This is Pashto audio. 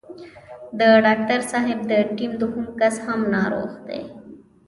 د ډاکټر صاحب د ټيم دوهم کس هم ناروغ دی.